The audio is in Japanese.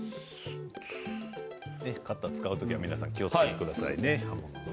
カッターを使う時は皆さん気をつけてくださいね。